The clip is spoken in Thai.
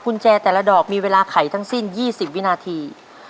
คุณแจแต่ละดอกมีเวลาไขทั้งสิ้น๒๐วินาที